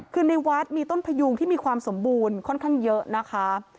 คือในวัดมีต้นพยุงที่มีความสมบูรณ์ค่อนข้างเยอะนะคะ